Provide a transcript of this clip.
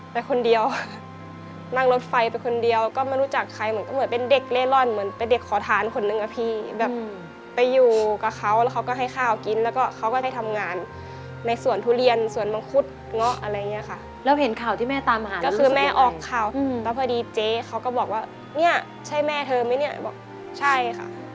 ไปคนเดียวนั่งรถไฟไปคนเดียวก็ไม่รู้จักใครเหมือนก็เหมือนเป็นเด็กเล่ร่อนเหมือนเป็นเด็กขอทานคนนึงอะพี่แบบไปอยู่กับเขาแล้วเขาก็ให้ข้าวกินแล้วก็เขาก็ได้ทำงานในสวนทุเรียนสวนมังคุดเงาะอะไรอย่างเงี้ยค่ะแล้วเห็นข่าวที่แม่ตามหาก็คือแม่ออกข่าวแล้วพอดีเจ๊เขาก็บอกว่าเนี่ยใช่แม่เธอไหมเนี่ยบอกใช่ค่ะ